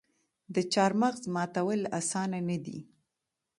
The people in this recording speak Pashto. د چهارمغز ماتول اسانه نه دي.